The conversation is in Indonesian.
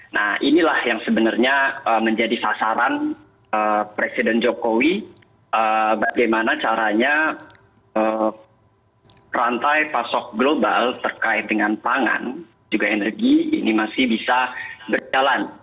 nah inilah yang sebenarnya menjadi sasaran presiden jokowi bagaimana caranya rantai pasok global terkait dengan pangan juga energi ini masih bisa berjalan